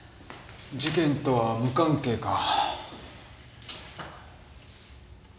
事件とは無関係か。